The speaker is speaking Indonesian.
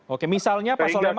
oke misalnya pak soleman